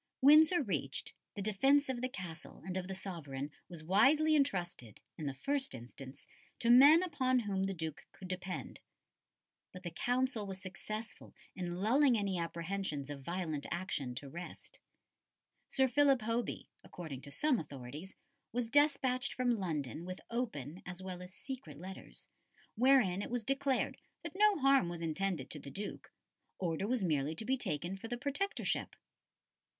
'" Windsor reached, the defence of the Castle and of the sovereign was wisely entrusted, in the first instance, to men upon whom the Duke could depend. But the Council was successful in lulling any apprehensions of violent action to rest. Sir Philip Hoby, according to some authorities, was despatched from London with open, as well as secret, letters, wherein it was declared that no harm was intended to the Duke; order was merely to be taken for the Protectorship.